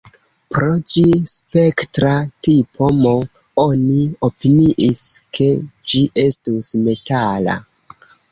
Pro ĝi spektra tipo M, oni opiniis, ke ĝi estus metala.